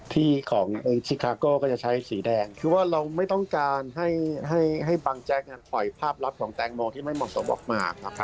เพราะเราก็รู้อยู่ว่าสิ่งที่บังแจ๊กพูดออกมา